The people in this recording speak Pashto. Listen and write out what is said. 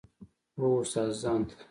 هو استاده ځان ته.